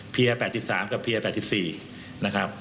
เพียร์๘๓กับเพียร์๘๔นะครับ